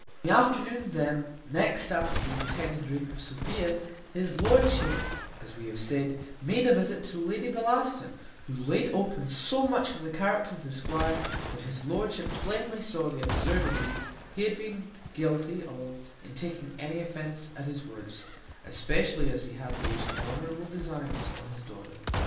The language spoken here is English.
In the afternoon then next after the intended rape of Sophia, his lordship, as we have said, made a visit to Lady Bellaston, who laid open so much of the character of the squire, that his lordship plainly saw the absurdity he had been guilty of in taking any offence at his words, especially as he had those honourable designs on his daughter.